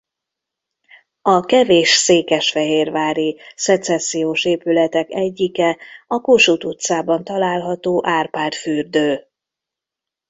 A kevés székesfehérvári szecessziós épületek egyike a Kossuth utcában található Árpád fürdő.